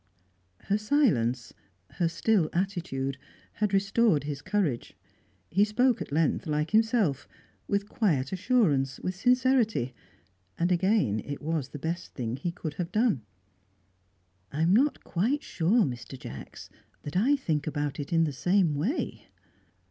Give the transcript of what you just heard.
Her silence, her still attitude, had restored his courage. He spoke at length like himself, with quiet assurance, with sincerity; and again it was the best thing he could have done. "I am not quite sure, Mr. Jacks, that I think about it in the same way."